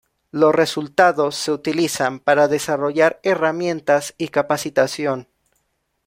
Los resultados se utilizan para desarrollar herramientas y capacitación.